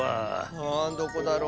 あどこだろう？